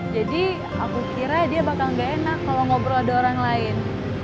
jadi aku kira dia bakal gak enak kalau ngobrol ada orang lain